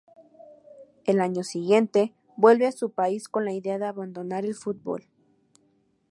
Al año siguiente vuelve a su país con la idea de abandonar el fútbol.